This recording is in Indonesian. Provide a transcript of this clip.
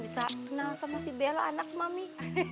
bisa kenal sama si bella anak mami